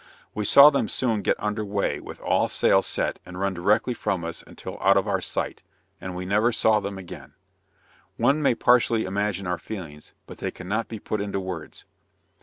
We saw them soon after get under way with all sail set and run directly from us until out of our sight, and we never saw them again! One may partially imagine our feelings, but they cannot be put into words.